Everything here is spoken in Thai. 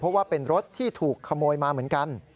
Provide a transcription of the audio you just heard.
เพราะว่าเป็นรถที่ถูกขโมยมาเหมือนกัน